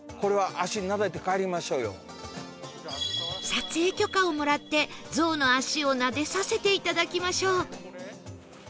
撮影許可をもらってゾウの脚をなでさせて頂きましょう